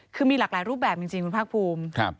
คือมีหลากหลายรูปแบบจริงคุณภาคภูมิ